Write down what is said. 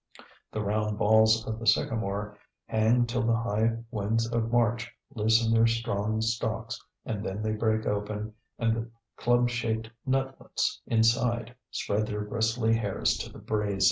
The round balls of the sycamore hang till the high winds of March loosen their strong stalks and then they break open and the club shaped nutlets inside spread their bristly hairs to the breeze.